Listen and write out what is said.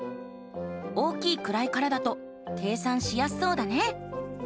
大きい位からだと計算しやすそうだね。